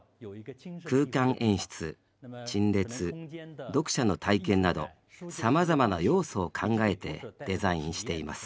空間演出陳列読者の体験などさまざまな要素を考えてデザインしています